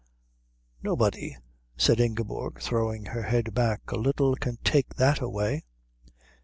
"Nobody," said Ingeborg, throwing her head back a little, "can take that away."